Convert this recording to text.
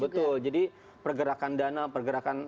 betul jadi pergerakan dana pergerakan